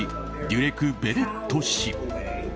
デュレク・ベレット氏。